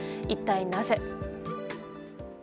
一体なぜ。